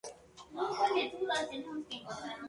El título era exclusivamente para la división femenina.